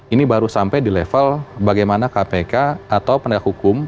ini baru sampai di level bagaimana kpk atau penegak hukum